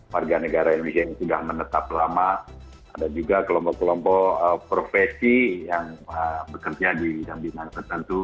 bni yang sudah menetap lama ada juga kelompok kelompok profesi yang bekerja di jambinan tertentu